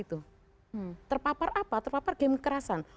terpapar apa terpapar game kekerasan